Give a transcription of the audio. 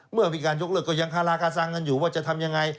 เมื่อมีการยกเลิกก็ยังคาราคาซังกันอยู่ว่าจะทำยังไง